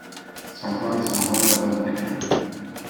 sans pain et sans vin, l'amour n'est rien.